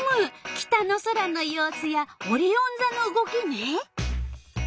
北の空の様子やオリオンざの動きね。